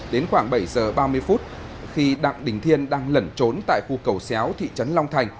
đến khoảng bảy giờ ba mươi phút khi đặng đình thiên đang lẩn trốn tại khu cầu xéo thị trấn long thành